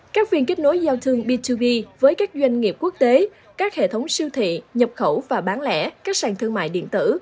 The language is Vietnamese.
các phiên kết nối giao thương b với các doanh nghiệp quốc tế các hệ thống siêu thị nhập khẩu và bán lẻ các sàn thương mại điện tử